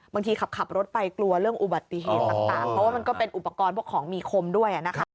ขับรถไปกลัวเรื่องอุบัติเหตุต่างเพราะว่ามันก็เป็นอุปกรณ์พวกของมีคมด้วย